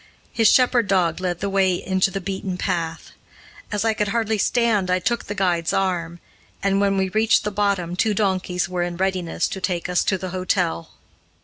His shepherd dog led the way into the beaten path. As I could hardly stand I took the guide's arm, and when we reached the bottom two donkeys were in readiness to take us to the hotel.